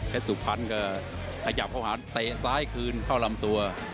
สุพรรณก็ขยับเข้าหาเตะซ้ายคืนเข้าลำตัว